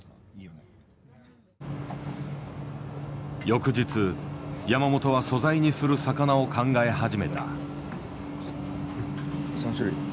翌日山本は素材にする魚を考え始めた。